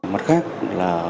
mặt khác là